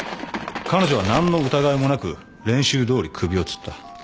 彼女は何の疑いもなく練習どおり首をつった。